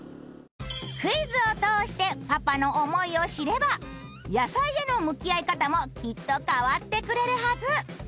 クイズを通してパパの想いを知れば野菜への向き合い方もきっと変わってくれるはず。